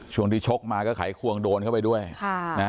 ช่วงที่ชกมาก็ไขควงโดนเข้าไปด้วยค่ะนะ